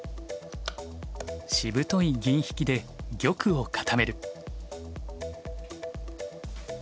しぶとい銀引きで玉を固める。